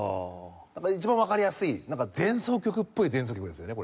一番わかりやすい前奏曲っぽい前奏曲ですよね。